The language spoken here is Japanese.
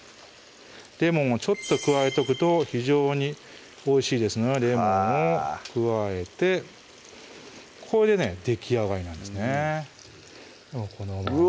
レモンをちょっと加えとくと非常においしいですのでレモンを加えてこれでねできあがりなんですねうわ！